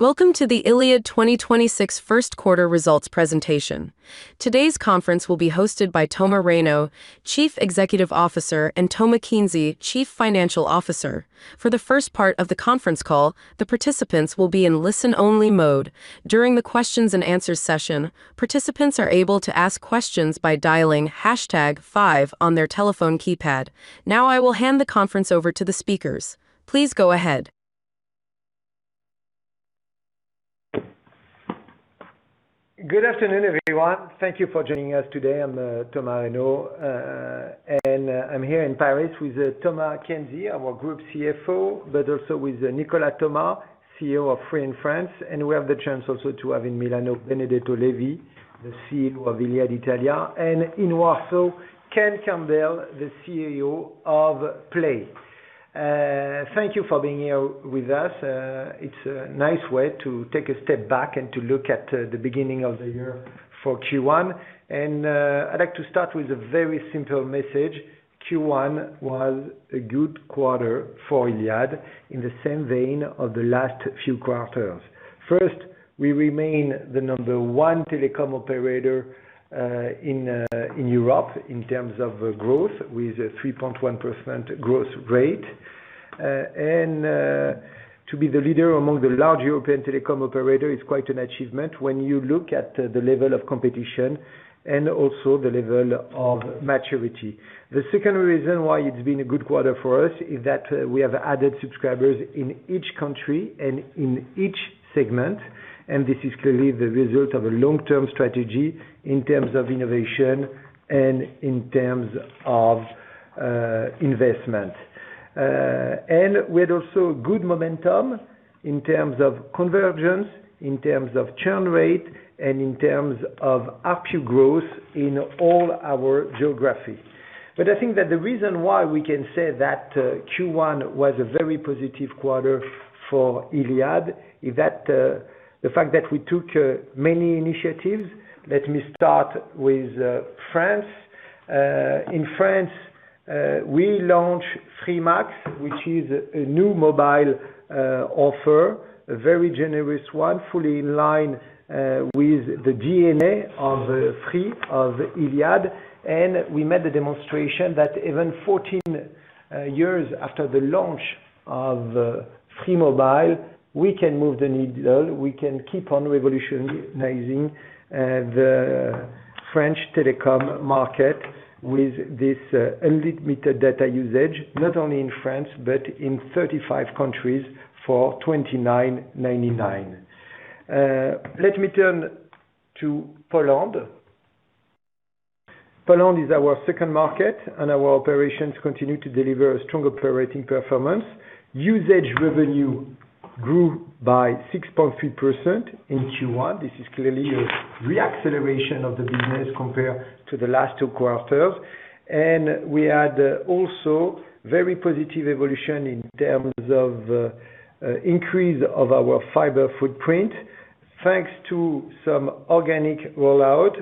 Welcome to the Iliad 2026 First Quarter Results Presentation. Today's conference will be hosted by Thomas Reynaud, Chief Executive Officer, and Thomas Kienzi, Chief Financial Officer. For the first part of the conference call, the participants will be in listen-only mode. During the questions and answers session, participants are able to ask questions by dialing hashtag five on their telephone keypad. I will hand the conference over to the speakers. Please go ahead. Good afternoon, everyone. Thank you for joining us today. I'm Thomas Reynaud, and I'm here in Paris with Thomas Kienzi, our Group CFO, but also with Nicolas Thomas, CEO of Free in France. We have the chance also to have in Milan, Benedetto Levi, the CEO of Iliad Italia, and in Warsaw, Ken Campbell, the CEO of Play. Thank you for being here with us. It's a nice way to take a step back and to look at the beginning of the year for Q1. I'd like to start with a very simple message. Q1 was a good quarter for Iliad in the same vein of the last few quarters. First, we remain the number one telecom operator in Europe in terms of growth with a 3.1% growth rate. To be the leader among the large European telecom operator is quite an achievement when you look at the level of competition and also the level of maturity. The second reason why it's been a good quarter for us is that we have added subscribers in each country and in each segment, and this is clearly the result of a long-term strategy in terms of innovation and in terms of investment. We had also good momentum in terms of convergence, in terms of churn rate, and in terms of ARPU growth in all our geographies. I think that the reason why we can say that Q1 was a very positive quarter for Iliad is the fact that we took many initiatives. Let me start with France. In France, we launched Free Max, which is a new mobile offer, a very generous one, fully in line with the DNA of Free of Iliad. We made the demonstration that even 14 years after the launch of Free Mobile, we can move the needle. We can keep on revolutionizing the French telecom market with this unlimited data usage, not only in France but in 35 countries for 29.99. Let me turn to Poland. Poland is our second market, and our operations continue to deliver a strong operating performance. Usage revenue grew by 6.3% in Q1. This is clearly a re-acceleration of the business compared to the last two quarters. We had also very positive evolution in terms of increase of our fiber footprint, thanks to some organic rollout.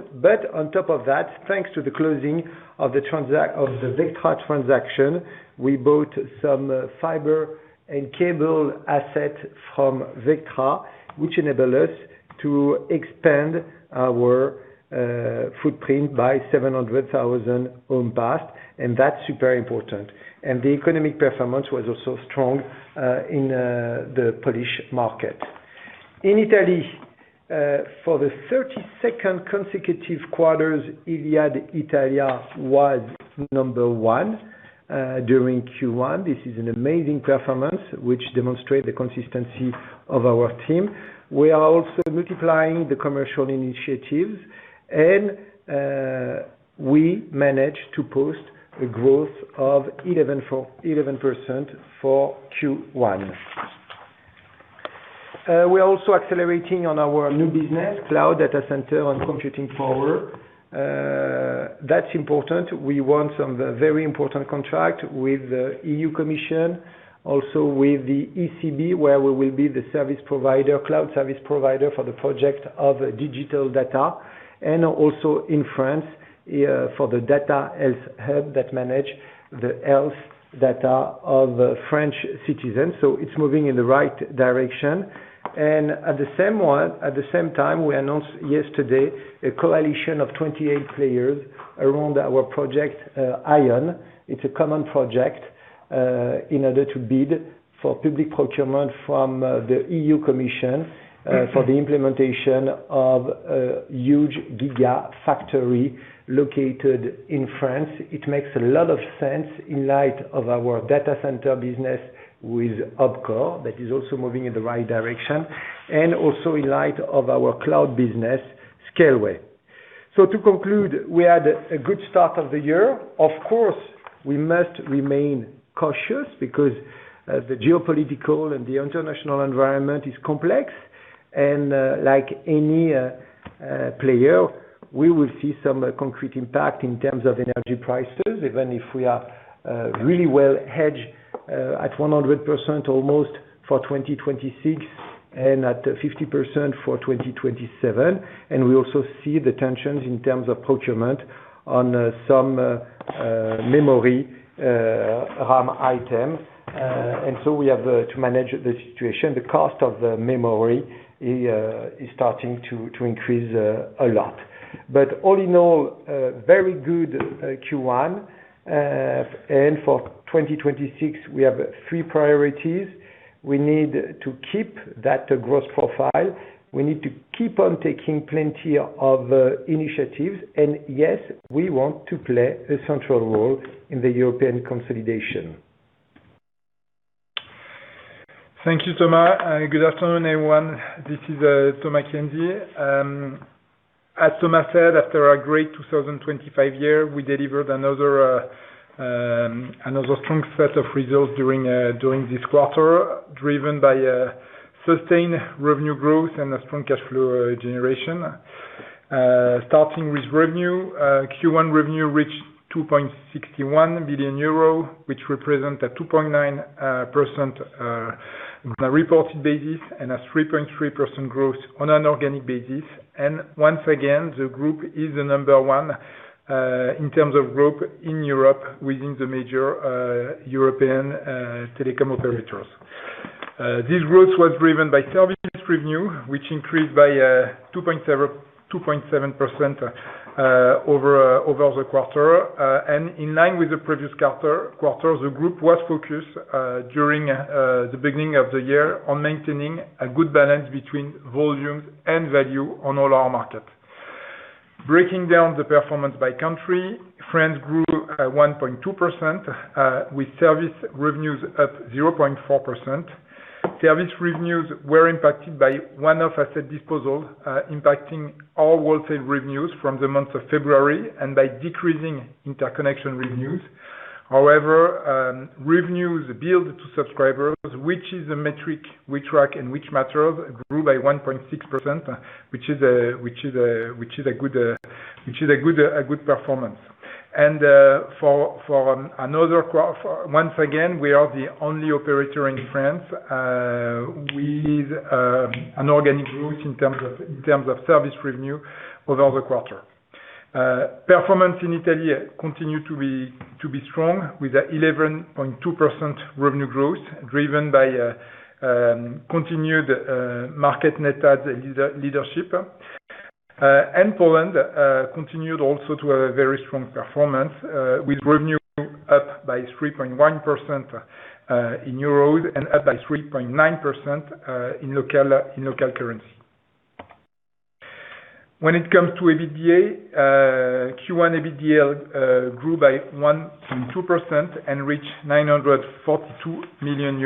On top of that, thanks to the closing of the Vectra transaction, we bought some fiber and cable asset from Vectra, which enable us to expand our footprint by 700,000 homes passed, and that's super important. The economic performance was also strong in the Polish market. In Italy, for the 32nd consecutive quarters, Iliad Italia was number one during Q1. This is an amazing performance which demonstrate the consistency of our team. We are also multiplying the commercial initiatives, and we managed to post a growth of 11% for Q1. We're also accelerating on our new business, cloud data center and computing power. That's important. We won some very important contract with the EU Commission, also with the ECB, where we will be the cloud service provider for the project of digital data, and also in France for the Health Data Hub that manage the health data of French citizens. It's moving in the right direction. At the same time, we announced yesterday a coalition of 28 players around our project, IOWN. It's a common project in order to bid for public procurement from the EU Commission for the implementation of a huge gigafactory located in France. It makes a lot of sense in light of our data center business with OpCore, that is also moving in the right direction, and also in light of our cloud business, Scaleway. To conclude, we had a good start of the year. Of course, we must remain cautious because the geopolitical and the international environment is complex. Like any player, we will see some concrete impact in terms of energy prices, even if we are really well hedged at 100% almost for 2026. And at 50% for 2027. We also see the tensions in terms of procurement on some memory RAM item. We have to manage the situation. The cost of the memory is starting to increase a lot. All in all, a very good Q1. For 2026, we have three priorities. We need to keep that growth profile. We need to keep on taking plenty of initiatives. Yes, we want to play a central role in the European consolidation. Thank you, Thomas. Good afternoon, everyone. This is Thomas Kienzi. As Thomas said, after a great 2025 year, we delivered another strong set of results during this quarter, driven by sustained revenue growth and a strong cash flow generation. Starting with revenue. Q1 revenue reached 2.61 billion euro, which represent a 2.9% on a reported basis and a 3.3% growth on an organic basis. Once again, the group is the number one in terms of growth in Europe within the major European telecom operators. These growths were driven by service revenue, which increased by 2.7% over the quarter. In line with the previous quarter, the group was focused during the beginning of the year on maintaining a good balance between volume and value on all our markets. Breaking down the performance by country. France grew at 1.2% with service revenues up 0.4%. Service revenues were impacted by one-off asset disposal, impacting our wholesale revenues from the month of February and by decreasing interconnection revenues. Revenues billed to subscribers, which is a metric we track and which matters, grew by 1.6%, which is a good performance. Once again, we are the only operator in France with an organic growth in terms of service revenue over the quarter. Performance in Italy continued to be strong with an 11.2% revenue growth, driven by continued market net add leadership. Poland continued also to a very strong performance, with revenue up by 3.1% in euro and up by 3.9% in local currency. When it comes to EBITDA, Q1 EBITDA grew by 1.2% and reached EUR 942 million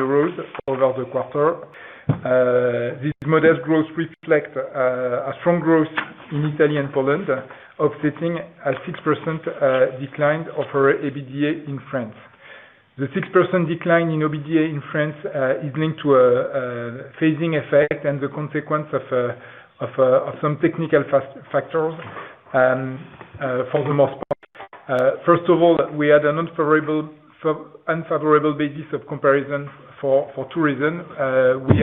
over the quarter. This modest growth reflects a strong growth in Italy and Poland, offsetting a 6% decline of our EBITDA in France. The 6% decline in EBITDA in France is linked to a phasing effect and the consequence of some technical factors for the most part. First of all, we had an unfavorable basis of comparison for two reasons. We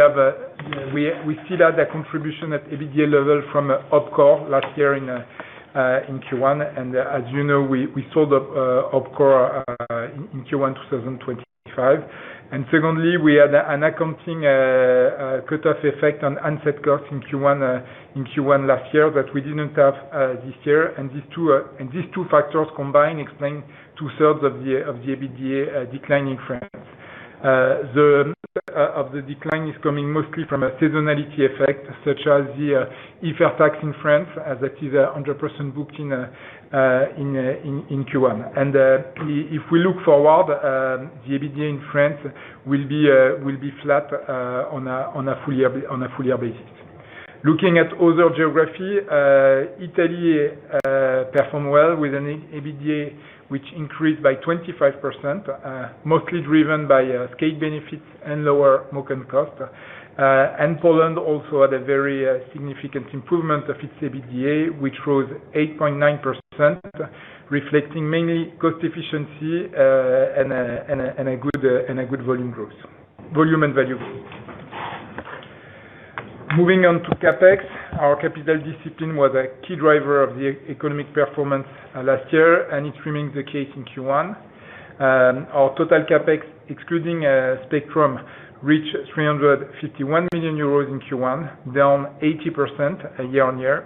still had a contribution at EBITDA level from OpCore last year in Q1. As you know, we sold OpCore in Q1 2025. Secondly, we had an accounting cut-off effect on handset costs in Q1 last year that we didn't have this year. These two factors combined explain two-thirds of the EBITDA decline in France. The rest of the decline is coming mostly from a seasonality effect, such as the IFER tax in France, as that is 100% booked in Q1. If we look forward, the EBITDA in France will be flat on a full year basis. Looking at other geography, Italy performed well with an EBITDA which increased by 25%, mostly driven by scale benefits and lower MoCom cost. Poland also had a very significant improvement of its EBITDA, which rose 8.9%, reflecting mainly cost efficiency and a good volume and value growth. Moving on to CapEx. Our capital discipline was a key driver of the economic performance last year, and it remains the case in Q1. Our total CapEx, excluding spectrum, reached 351 million euros in Q1, down 80% year-on-year.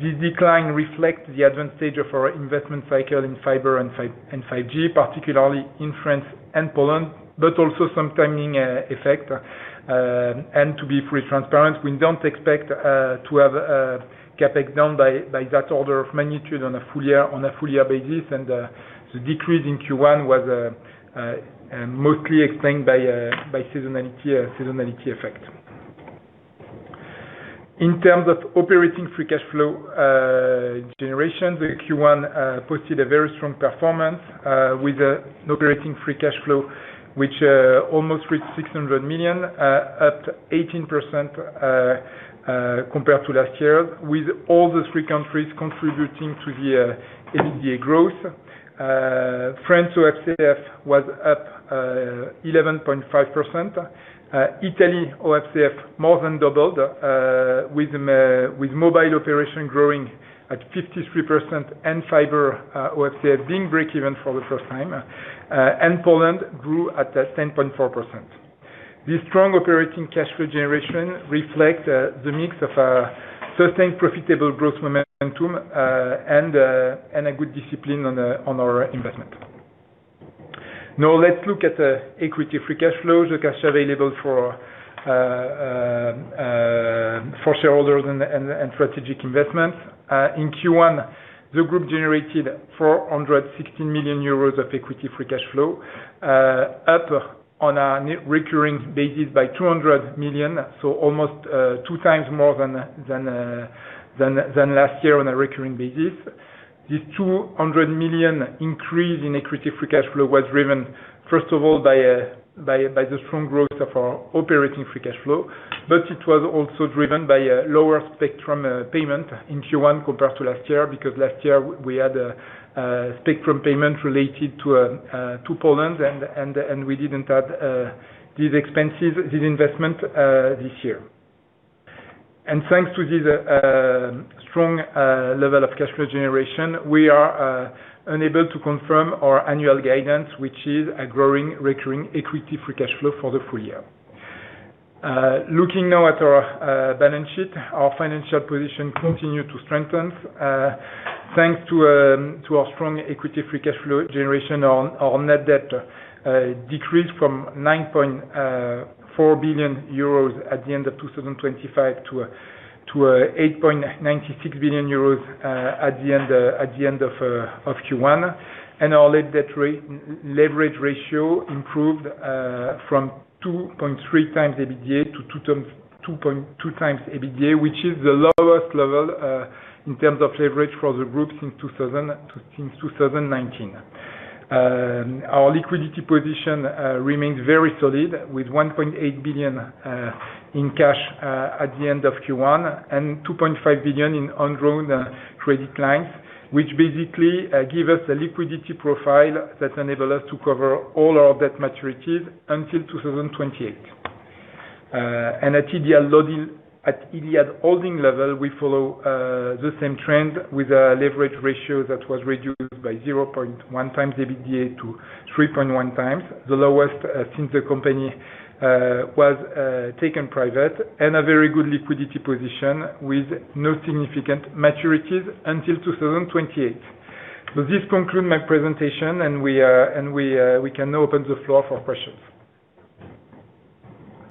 This decline reflects the advanced stage of our investment cycle in fiber and 5G, particularly in France and Poland, but also some timing effect. To be fully transparent, we don't expect to have CapEx down by that order of magnitude on a full year basis. The decrease in Q1 was mostly explained by seasonality effect. In terms of operating free cash flow generation, the Q1 posted a very strong performance with an operating free cash flow, which almost reached 600 million, up 18% compared to last year, with all the three countries contributing to the EBITDA growth. France OCF was up 11.5%. Italy OCF more than doubled, with mobile operation growing at 53% and fiber OCF being break-even for the first time. Poland grew at 10.4%. This strong operating cash flow generation reflects the mix of our sustained profitable growth momentum and a good discipline on our investment. Now let's look at the equity free cash flows, the cash available for shareholders and strategic investments. In Q1, the group generated 416 million euros of equity free cash flow, up on a net recurring basis by 200 million. Almost two times more than last year on a recurring basis. This 200 million increase in equity free cash flow was driven, first of all, by the strong growth of our operating free cash flow, but it was also driven by a lower spectrum payment in Q1 compared to last year, because last year we had a spectrum payment related to 2% and we didn't have these expenses, this investment this year. Thanks to this strong level of cash flow generation, we are unable to confirm our annual guidance, which is a growing recurring equity free cash flow for the full year. Looking now at our balance sheet, our financial position continued to strengthen. Thanks to our strong equity free cash flow generation, our net debt decreased from 9.4 billion euros at the end of 2025 to 8.96 billion euros at the end of Q1. Our net debt leverage ratio improved from 2.3x EBITDA to 2x EBITDA, which is the lowest level in terms of leverage for the group since 2019. Our liquidity position remains very solid, with 1.8 billion in cash at the end of Q1 and 2.5 billion in undrawn credit lines, which basically give us a liquidity profile that enable us to cover all our debt maturities until 2028. At Iliad Holding level, we follow the same trend with a leverage ratio that was reduced by 0.1x EBITDA to 3.1x, the lowest since the company was taken private, and a very good liquidity position with no significant maturities until 2028. This concludes my presentation, and we can now open the floor for questions.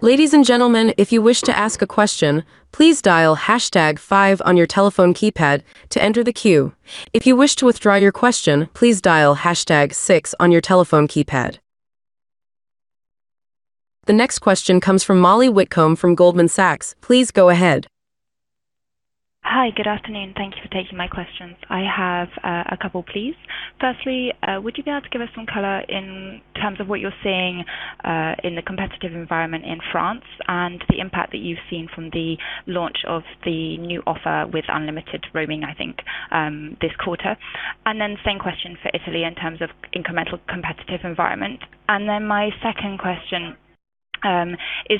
Ladies and gentleman if you wish to ask a question, please dial hashtag five on your telephone keypad to enter the queue. If you wish to withdraw your question, please dial hashtag six on your telephone keypad. The next question comes from Mollie Witcombe from Goldman Sachs. Please go ahead. Hi. Good afternoon. Thank you for taking my questions. I have a couple, please. Firstly, would you be able to give us some color in terms of what you're seeing in the competitive environment in France and the impact that you've seen from the launch of the new offer with unlimited roaming, I think, this quarter? Same question for Italy in terms of incremental competitive environment. My second question, is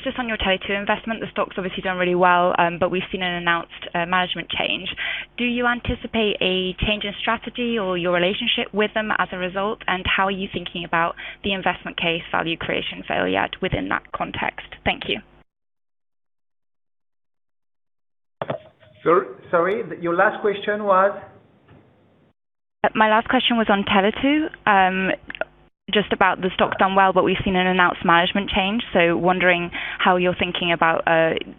this on your Tele2 investment? The stock's obviously done really well, but we've seen an announced management change. Do you anticipate a change in strategy or your relationship with them as a result? How are you thinking about the investment case value creation for Iliad within that context? Thank you. Sorry, your last question was? My last question was on Tele2, just about the stock's done well, but we've seen an announced management change. I'm wondering how you're thinking about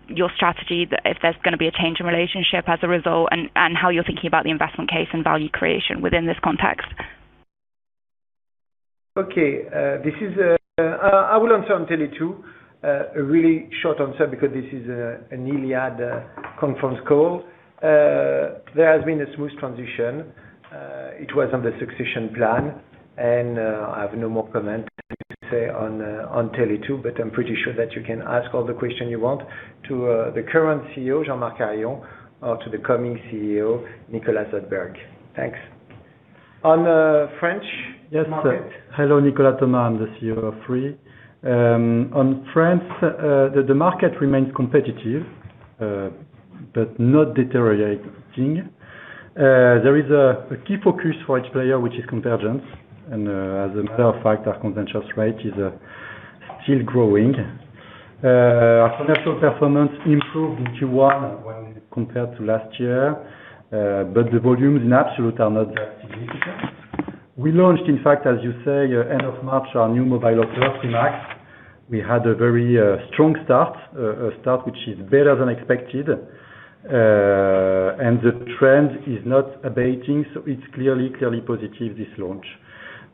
your strategy, if there's going to be a change in relationship as a result, and how you're thinking about the investment case and value creation within this context. Okay. I will answer on Tele2. A really short answer because this is an Iliad conference call. There has been a smooth transition. It was on the succession plan, and I have no more comment to say on Tele2, but I'm pretty sure that you can ask all the question you want to the current CEO, Jean-Marc Harion, or to the coming CEO, Nicolas Jaeger. Thanks. On French market. Yes. Hello, Nicolas Thomas, I'm the CEO of Free. On France, the market remains competitive, but not deteriorating. There is a key focus for each player, which is convergence. As a matter of fact, our convergence rate is still growing. Our financial performance improved in Q1 when compared to last year. The volumes in absolute are not that significant. We launched, in fact, as you say, end of March, our new mobile offer, Free Max. We had a very strong start, a start which is better than expected. The trend is not abating, so it's clearly positive, this launch.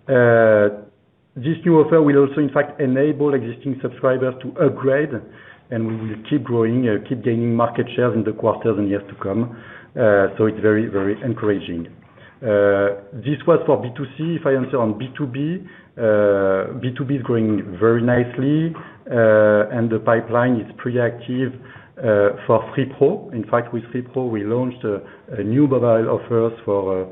This new offer will also, in fact, enable existing subscribers to upgrade, and we will keep growing, keep gaining market shares in the quarters and years to come. It's very encouraging. This was for B2C. If I answer on B2B is growing very nicely. The pipeline is pretty active for Free Pro. In fact, with Free Pro, we launched a new mobile offers for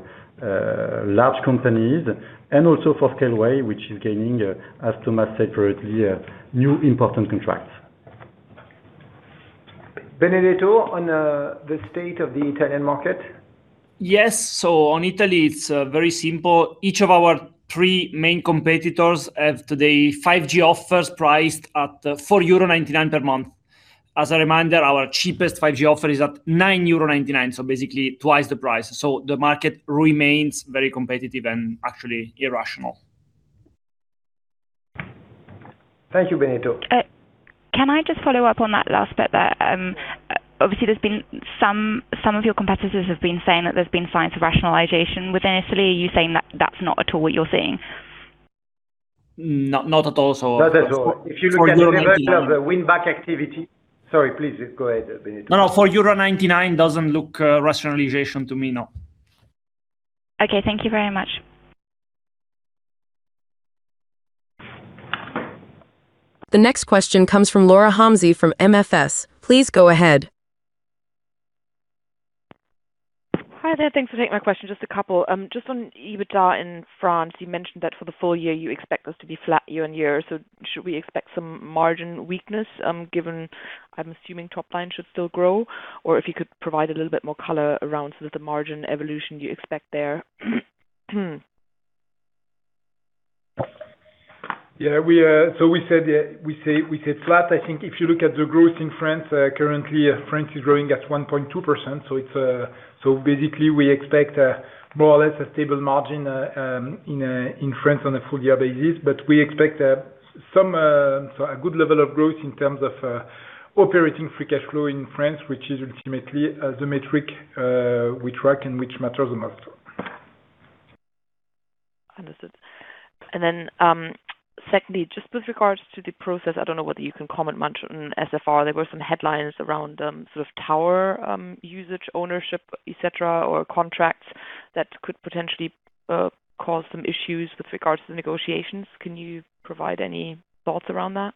large companies. Also for Scaleway, which is gaining, as Thomas said previously, new important contracts. Benedetto, on the state of the Italian market? Yes. On Italy, it's very simple. Each of our three main competitors have today 5G offers priced at 4.99 euro per month. As a reminder, our cheapest 5G offer is at 9.99 euro, so basically twice the price. The market remains very competitive and actually irrational. Thank you, Benedetto. Can I just follow up on that last bit there? Obviously, some of your competitors have been saying that there's been signs of rationalization within Italy. Are you saying that's not at all what you're seeing? Not at all. Not at all. If you look at the level of the win-back activity. Sorry, please, go ahead, Benedetto. No. Euro 4.99 doesn't look rationalization to me. No. Okay. Thank you very much. The next question comes from Laura Homsy from MFS. Please go ahead. Hi there. Thanks for taking my question. Just a couple. Just on EBITDA in France, you mentioned that for the full year you expect this to be flat year-on-year. Should we expect some margin weakness, given I'm assuming top line should still grow? If you could provide a little bit more color around sort of the margin evolution you expect there. Yeah. We said flat. I think if you look at the growth in France, currently France is growing at 1.2%. Basically we expect more or less a stable margin in France on a full year basis. We expect a good level of growth in terms of operating free cash flow in France, which is ultimately the metric we track and which matters the most. Understood. Secondly, just with regards to the process, I don't know whether you can comment much on SFR. There were some headlines around sort of tower usage, ownership, et cetera, or contracts that could potentially cause some issues with regards to the negotiations. Can you provide any thoughts around that?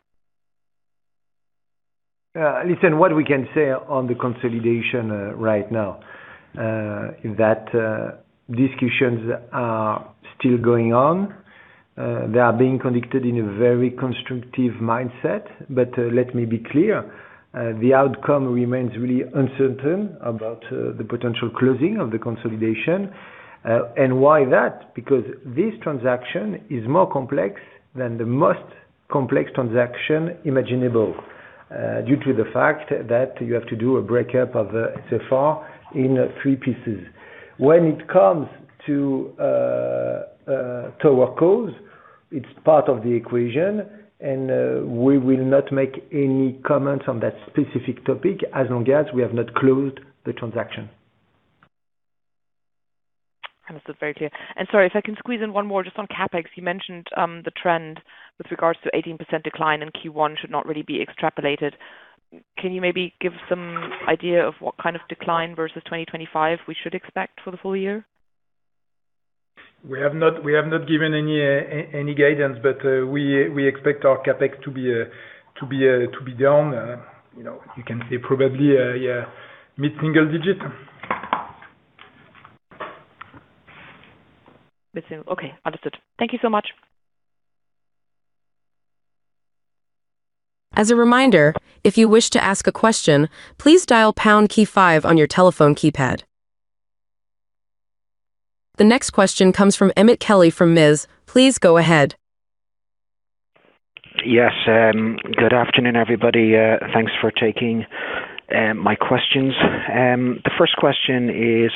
Listen, what we can say on the consolidation right now, is that discussions are still going on. They are being conducted in a very constructive mindset. Let me be clear, the outcome remains really uncertain about the potential closing of the consolidation. Why that? Because this transaction is more complex than the most complex transaction imaginable, due to the fact that you have to do a breakup of the SFR in three pieces. When it comes to tower costs, it's part of the equation, and we will not make any comments on that specific topic as long as we have not closed the transaction. Understood. Very clear. Sorry if I can squeeze in one more just on CapEx. You mentioned the trend with regards to 18% decline in Q1 should not really be extrapolated. Can you maybe give some idea of what kind of decline versus 2025 we should expect for the full year? We have not given any guidance. We expect our CapEx to be down. You can say probably mid-single digit. Mid-single. Okay, understood. Thank you so much. As a reminder, if you wish to ask a question please dial pound key five on your telephone keypad. The next question comes from Emmet Kelly from MIZ. Please go ahead. Yes. Good afternoon, everybody. Thanks for taking my questions. The first question is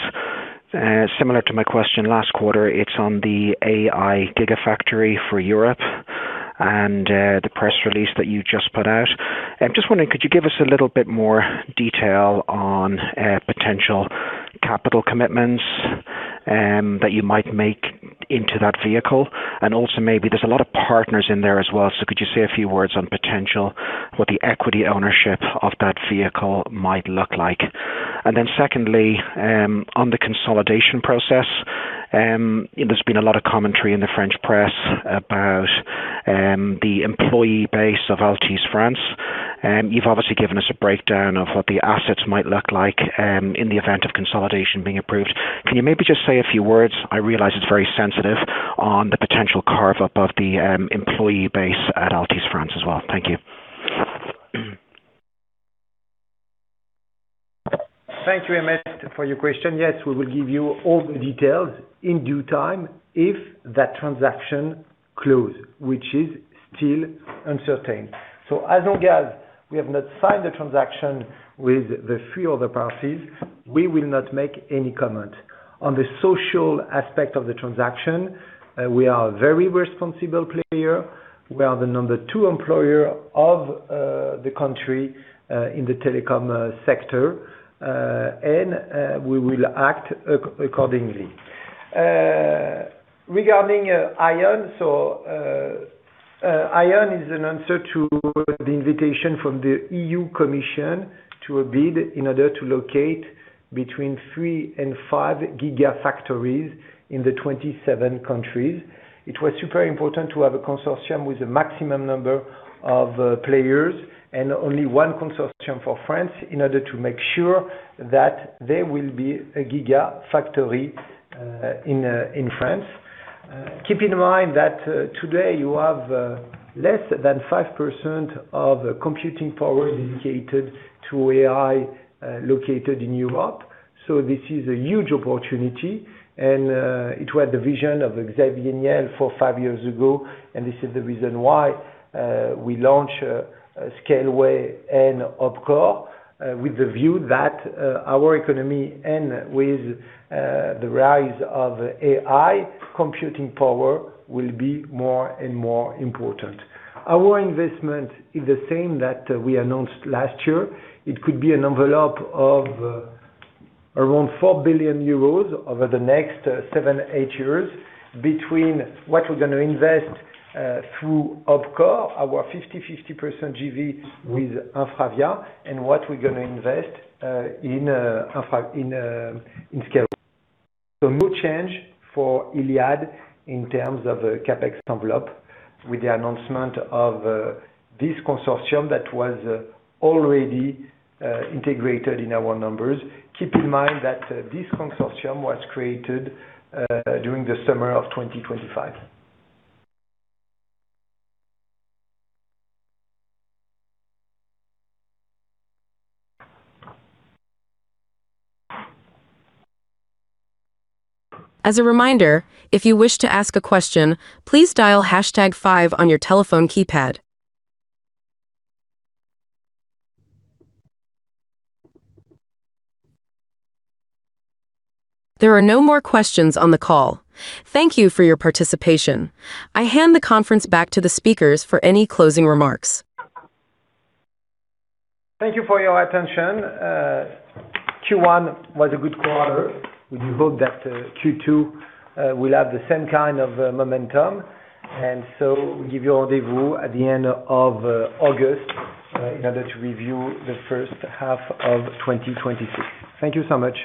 similar to my question last quarter. It's on the AI gigafactory for Europe and the press release that you just put out. I'm just wondering, could you give us a little bit more detail on potential capital commitments that you might make into that vehicle? Maybe there's a lot of partners in there as well, so could you say a few words on potential, what the equity ownership of that vehicle might look like? Secondly, on the consolidation process, there's been a lot of commentary in the French press about the employee base of Altice France. You've obviously given us a breakdown of what the assets might look like in the event of consolidation being approved. Can you maybe just say a few words, I realize it's very sensitive, on the potential carve-up of the employee base at Altice France as well? Thank you. Thank you, Emmet, for your question. Yes, we will give you all the details in due time if that transaction close, which is still uncertain. As long as we have not signed the transaction with the three other parties, we will not make any comment. On the social aspect of the transaction, we are a very responsible player. We are the number two employer of the country in the telecom sector. We will act accordingly. Regarding IOWN. IOWN is an answer to the invitation from the EU Commission to a bid in order to locate between three and five gigafactories in the 27 countries. It was super important to have a consortium with the maximum number of players and only one consortium for France in order to make sure that there will be a gigafactory in France. Keep in mind that today you have less than 5% of computing power dedicated to AI located in Europe. This is a huge opportunity, and it was the vision of Xavier Niel 5 years ago, and this is the reason why we launch Scaleway and OpCore with the view that our economy and with the rise of AI, computing power will be more and more important. Our investment is the same that we announced last year. It could be an envelope of around 4 billion euros over the next seven, eight years between what we're going to invest through OpCore, our 50/50% JV with InfraVia, and what we're going to invest in Scaleway. No change for Iliad in terms of the CapEx envelope with the announcement of this consortium that was already integrated in our numbers. Keep in mind that this consortium was created during the summer of 2025. As a reminder, if you wish to ask a question please dial hashtag five on your telephone keypad. There are no more questions on the call. Thank you for your participation. I hand the conference back to the speakers for any closing remarks. Thank you for your attention. Q1 was a good quarter. We hope that Q2 will have the same kind of momentum. We give you rendezvous at the end of August in order to review the first half of 2026. Thank you so much.